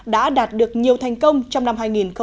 đã đạt được nhiều thành công trong năm hai nghìn một mươi chín